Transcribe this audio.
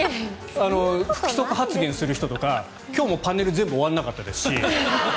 不規則発言する人とか今日もパネルが全部終わらなかったですし。